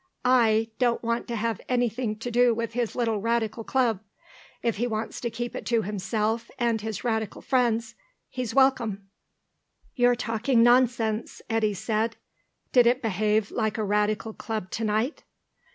I don't want to have anything to do with his little Radical Club; if he wants to keep it to himself and his Radical friends, he's welcome." "You're talking nonsense," Eddy said. "Did it behave like a Radical club to night?"